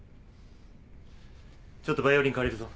ちょっとバイオリン借りるぞ。